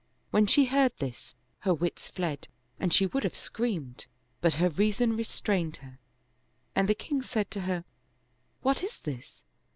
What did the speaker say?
When she heard this, her wits fled and she would have screamed, but her reason restrained her, and the king said to her, " What is this